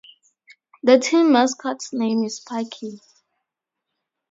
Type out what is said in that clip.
The team mascot's name is Sparky.